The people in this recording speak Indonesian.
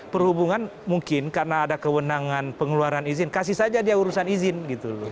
perhubungan mungkin karena ada kewenangan pengeluaran izin kasih saja dia urusan izin gitu loh